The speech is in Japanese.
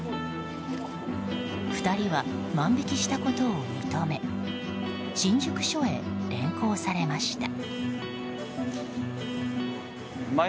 ２人は万引きしたことを認め新宿署へ連行されました。